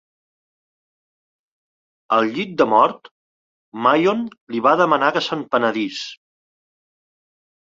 Al llit de mort, Mayon li va demanar que s"en penedís.